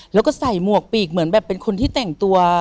แล้วก็ใส่หมวกปีกเหมือนแบบเป็นคนที่แต่งตัว